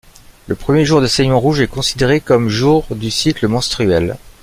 Le premier jour de saignement rouge est considéré comme jour du cycle menstruel.